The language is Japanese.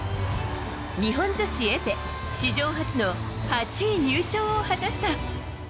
日本女子エペ史上初の８位入賞を果たした。